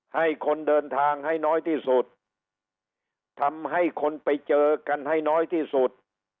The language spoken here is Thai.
ให้คนเดินทางให้น้อยที่สุดทำให้คนไปเจอกันให้น้อยที่สุด